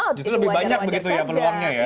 justru lebih banyak begitu ya peluangnya ya